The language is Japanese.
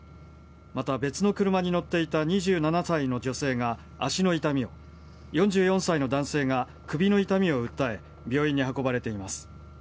また、別の車に乗っていた２７歳の女性が足の痛みを４４歳の男性が首の痛みを訴え病院に運ばれています。